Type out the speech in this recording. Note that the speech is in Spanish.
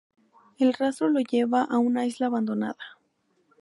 El rastro lo lleva a una isla abandonada.